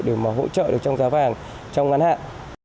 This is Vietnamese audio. để mà hỗ trợ được trong giá vàng trong ngắn hạn